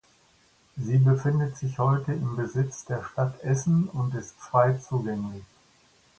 Sie befindet sich heute im Besitz der Stadt Essen und ist frei zugänglich.